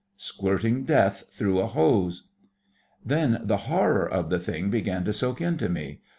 SQUIRTING DEATH THROUGH A HOSE Then the horror of the thing began to soak into me.